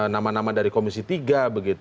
nama nama dari komisi tiga